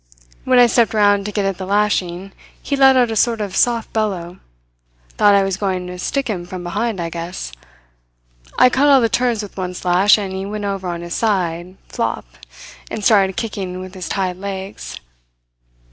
When I stepped round to get at the lashing, he let out a sort of soft bellow. Thought I was going to stick him from behind, I guess. I cut all the turns with one slash, and he went over on his side, flop, and started kicking with his tied legs.